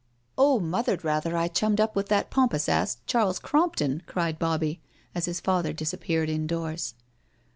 " Oh, Mother 'd rather I chtmmied up with that pom pous ass, Charles Crompton," cried Bobbie, as hi$ father disappeared indoors.